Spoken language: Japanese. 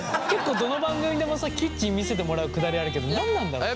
どの番組でもさキッチン見せてもらうくだりあるけど何なんだろうね？